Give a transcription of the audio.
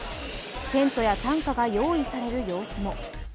テントや担架が用意される様子も。